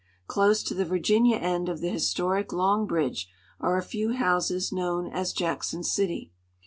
Close to the Virginia end of the historic Long bridge are a few houses known as Jackson City.